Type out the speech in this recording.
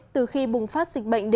theo hiệp hội du thuyền quốc tế